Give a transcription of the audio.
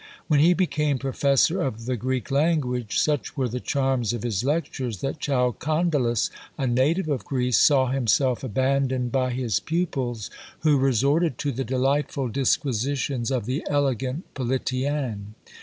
When he became professor of the Greek language, such were the charms of his lectures, that Chalcondylas, a native of Greece, saw himself abandoned by his pupils, who resorted to the delightful disquisitions of the elegant Politian.